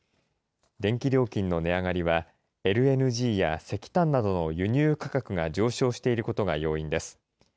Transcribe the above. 電気料金の値上がりは、ＬＮＧや石炭などの輸入価格が上昇していることが要因です。